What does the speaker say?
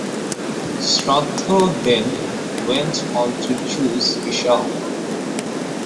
Shraddha then went on to choose Vishal.